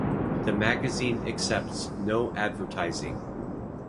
The magazine accepts no advertising.